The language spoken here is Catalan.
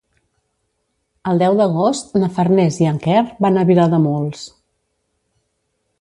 El deu d'agost na Farners i en Quer van a Vilademuls.